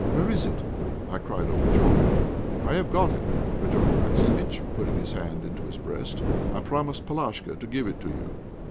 "Where is it?" I cried, overjoyed. "I have got it," rejoined Maximitch, putting his hand into his breast. "I promised Palashka to give it to you."